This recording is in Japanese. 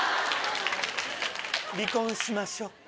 離婚しましょう。